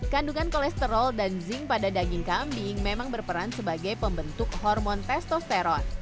kandungan kolesterol dan zinc pada daging kambing memang berperan sebagai pembentuk hormon testosteron